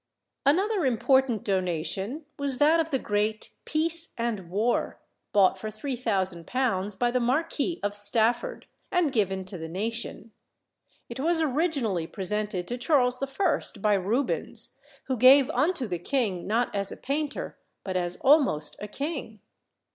Another important donation was that of the great "Peace and War," bought for £3000 by the Marquis of Stafford, and given to the nation. It was originally presented to Charles I., by Rubens, who gave unto the king not as a painter but as almost a king.